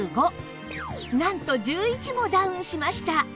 なんと１１もダウンしました